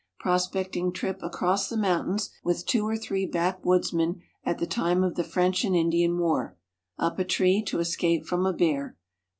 Prospecting trip across the mountains, with two or three backwoodsmen at the time of the French and Indian War. Up a tree to escape from a bear.